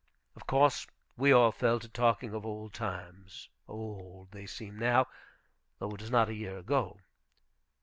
Of course we all fell to talking of old times, old they seem now, though it is not a year ago.